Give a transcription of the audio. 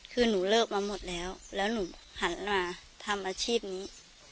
คือหนูเลิกมาหมดแล้วแล้วหนูหันมาทำอาชีพนี้